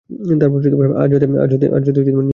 আজ রাতে নিয়ে আসব ওকে।